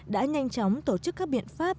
đã nhanh chóng tổ chức các biện pháp